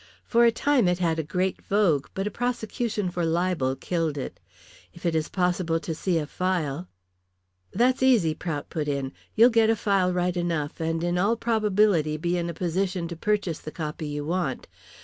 For a time it had a great vogue, but a prosecution for libel killed it. If it is possible to see a file " "That's easy," Prout put in. "You'll get a file right enough, and in all probability be in a position to purchase the copy you want.